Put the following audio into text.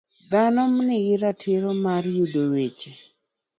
Dhano nigi ratiro mar yudo weche.